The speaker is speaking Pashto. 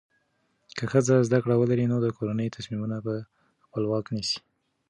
که ښځه زده کړه ولري، نو د کورنۍ تصمیمونه په خپلواکه نیسي.